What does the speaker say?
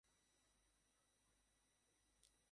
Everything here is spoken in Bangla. তবে, তোমার প্রিয় মানুষকে সবার শেষে মারবো।